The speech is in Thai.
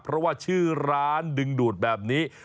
เพราะว่าชื่อร้านดึงดูดแบบนี้